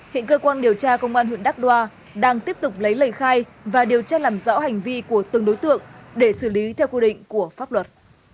hiện cơ quan điều tra công an huyện đắk đoa đang tiếp tục lấy lời khai và điều tra làm rõ hành vi của từng đối tượng để xử lý theo quy định của pháp luật